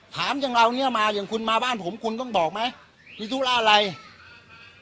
ถามอย่างเราเนี้ยมาอย่างคุณมาบ้านผมคุณต้องบอกไหมมีธุระอะไร